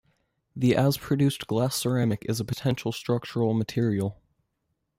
The as produced glass-ceramic is a potential structural material.